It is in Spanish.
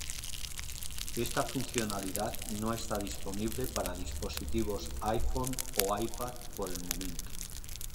Esta funcionalidad no está disponible para dispositivos iPhone o iPad por el momento.